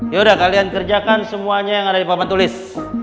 yaudah kalian kerjakan semuanya yang ada di papan tulis